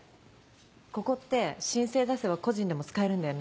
ここって申請出せば個人でも使えるんだよね？